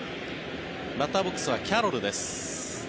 バッターボックスはキャロルです。